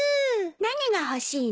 何が欲しいの？